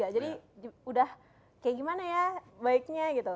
jadi udah kayak gimana ya baiknya gitu